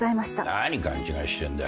何勘違いしてんだ。